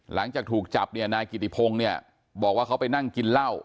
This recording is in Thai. หลังจากถูกจับเนี่ยนายกิติพงศ์เนี่ยบอกว่าเขาไปนั่งกินเหล้า